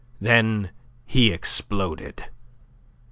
Then he exploded.